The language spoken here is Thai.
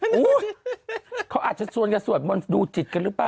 เขาอาจจะชวนกันสวดมนต์ดูจิตกันหรือเปล่า